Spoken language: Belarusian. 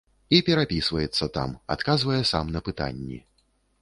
І перапісваецца там, адказвае сам на пытанні.